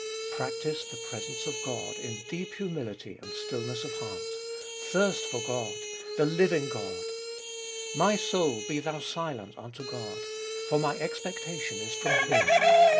Practise the presence of God in deep humility and stillness of heart. Thirst for God, the living God. " My soul, be thou silent unto God : for my expectation is from Him."